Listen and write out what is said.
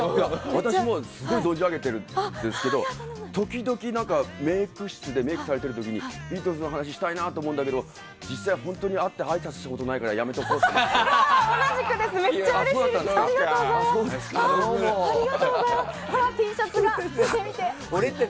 私も、すごい存じ上げているんですけど時々、メイク室でメイクされてる時にビートルズの話したいなと思うんだけど実際に会ったら話すことないからやめとこうと思って。